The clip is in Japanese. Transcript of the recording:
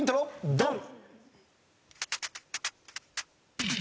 ドン！